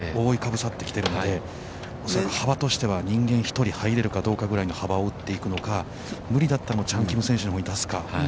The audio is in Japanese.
一番近い木が覆いかぶさってきているので、恐らく幅としては、人間１人入れるかどうかの幅を打っていくのか、無理だったら、チャン・キム選手のほうに出すか。